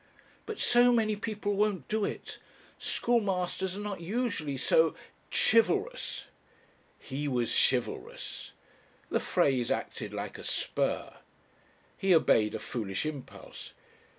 "But so many people won't do it. Schoolmasters are not usually so chivalrous." He was chivalrous! The phrase acted like a spur. He obeyed a foolish impulse.